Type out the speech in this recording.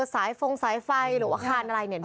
ฟงสายไฟหรือว่าอาคารอะไรเนี่ย